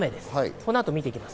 この後、見ていきます。